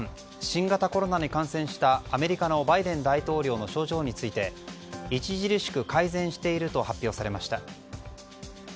新型コロナに感染したアメリカのバイデン大統領の症状について著しく改善していると発表されました。